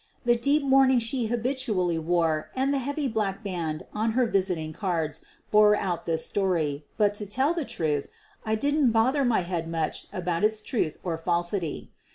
The deep mourning she habitually wore and the heavy black band on her visiting cards bore out this story, but, to tell the truth, I didn't bother my head much about its truth or falsity.